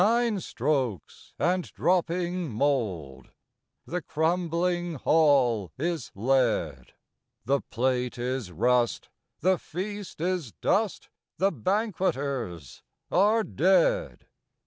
Nine strokes; and, dropping mold, The crumbling Hall is lead; The plate is rust; the feast is dust; The banqueters are dead.